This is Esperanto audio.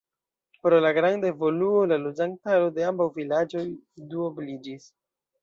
Pro la granda evoluo la loĝantaro de ambaŭ vilaĝoj duobliĝis.